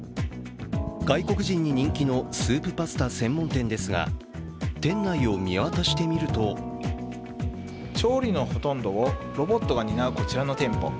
外国人に人気のスープパスタ専門店ですが、店内を見渡してみると調理のほとんどをロボットが担うこちらの店舗。